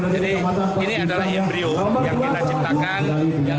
jadi ini adalah embryo yang kita ciptakan